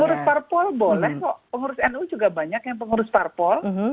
pengurus parpol boleh kok pengurus nu juga banyak yang pengurus parpol